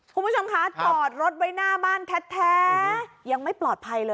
คุณผู้ชมคะจอดรถไว้หน้าบ้านแท้ยังไม่ปลอดภัยเลย